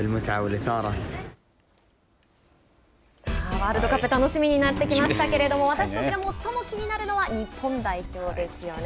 ワールドカップ楽しみになってきましたけど私たちが最も気になるのは日本代表ですよね。